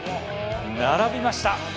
並びました！